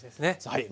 はい。